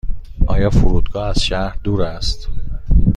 آیا فرودگاه از شهر دور است؟